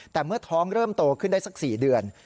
แต่เมื่อท้องเริ่มโตขึ้นได้สัก๔เดือน